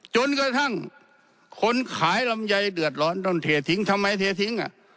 จนกระทั่งคนขายลำไยเดือดร้อนต้องเททิ้งทำไมเททิ้ง